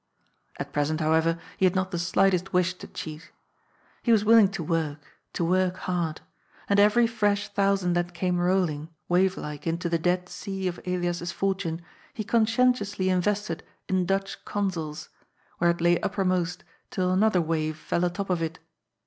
At present, however, he had not the slightest wish to cheat. He was willing to work, to work hard. And every fresh thousand that came rolling, wave like, into the dead sea of Elias's fortune he conscientiously invested in Dutch Consols, where it lay uppermost till another wave fell a top of it.